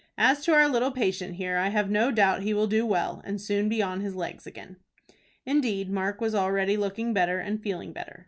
As to our little patient here, I have no doubt he will do well, and soon be on his legs again." Indeed Mark was already looking better and feeling better.